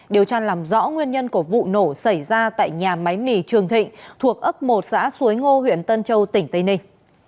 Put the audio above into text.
điều tra làm rõ nguyên nhân của vụ nổ xảy ra tại nhà máy mì trường thịnh thuộc ấp một xã suối ngô huyện tân châu tỉnh tây ninh